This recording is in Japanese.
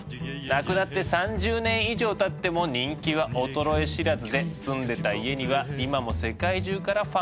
亡くなって３０年以上たっても人気は衰え知らずで住んでた家には今も世界中からファンが訪れるんだ。